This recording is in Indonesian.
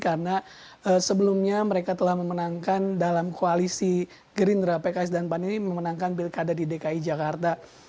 karena sebelumnya mereka telah memenangkan dalam koalisi gerindra pks dan pan ini memenangkan pilkada di dki jakarta